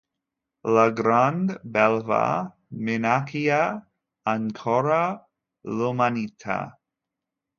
La Grande Belva minaccia ancora l'umanità.